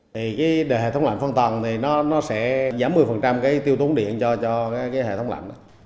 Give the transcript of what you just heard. thì cái hệ thống lạnh phân tần thì nó sẽ giảm một mươi cái tiêu thụ điện cho cái hệ thống lạnh